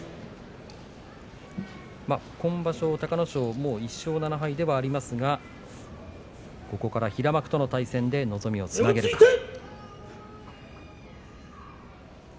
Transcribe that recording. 今場所、隆の勝はもう１勝７敗ではありますがここから平幕との対戦で望みをつなげるか。